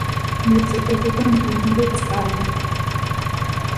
მიეწოდებოდა მდინარე წყალი.